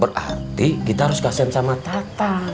berarti kita harus kasian sama tatang